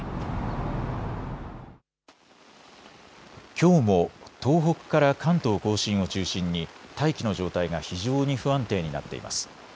きょうも東北から関東甲信を中心に大気の状態が非常に不安定になっています。